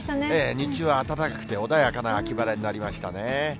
日中は暖かくて、穏やかな秋晴れになりましたね。